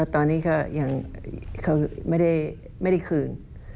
ตอนนี้ก็ยังเขาไม่ได้คืน